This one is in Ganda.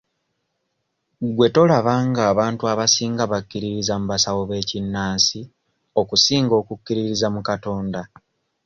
Gwe tolaba ng'abantu abasinga bakkiririza mu basawo b'ekinnansi okusinga okukkiririza mu Katonda?